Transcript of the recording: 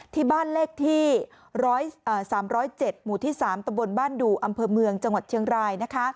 ที่บ้านเลขที่๓๐๗หมู่ที่๓ตะบนบ้านดูอำเภอเมืองจังหวัดเชียงราย